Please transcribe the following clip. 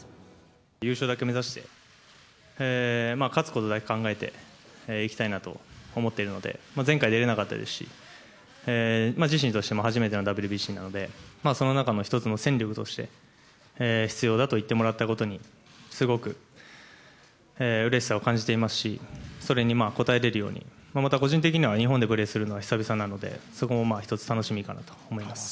優勝だけ目指して勝つことだけ考えて、いきたいなと思っているので、前回出れなかったですし、自身としても初めてのＷＢＣなので、その中の一つの戦力として、必要だと言ってもらったことにすごくうれしさを感じていますし、それに応えれるように、また個人的には日本でプレーするのは久々なので、そこもまあ一つ、楽しみかなと思います。